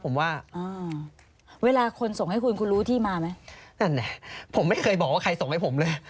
ผมว่าอ่าเวลาคนส่งให้คุณคุณรู้ที่มาไหมนั่นแหละผมไม่เคยบอกว่าใครส่งให้ผมเลย